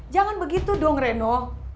jangan begitu dong reno